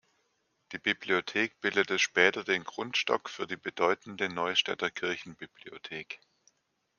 Die Bibliothek bildete später den Grundstock für die bedeutende Neustädter Kirchenbibliothek.